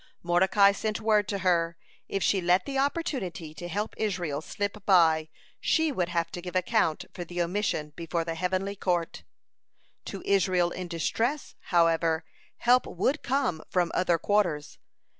(138) Mordecai sent word to her, if she let the opportunity to help Israel slip by, she would have to give account for the omission before the heavenly court. (139) To Israel in distress, however, help would come from other quarters.